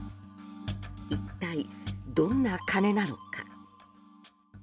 一体どんな金なのか。